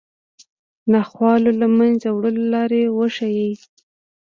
ناخوالو له منځه وړلو لارې وروښيي